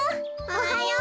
おはよう！